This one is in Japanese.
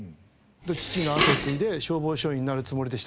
父の後を継いで消防署員になるつもりでしたから。